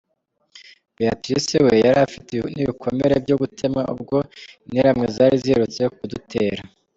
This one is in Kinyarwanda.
Béatrice we yari afite n’ibikomere byo gutemwa ubwo interahamwe zari ziherutse kudutera.